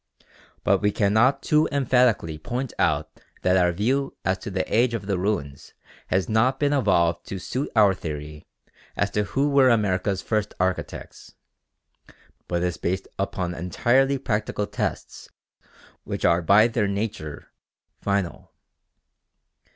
But we cannot too emphatically point out that our view as to the age of the ruins has not been evolved to suit our theory as to who were America's first architects, but is based upon entirely practical tests which are by their nature final.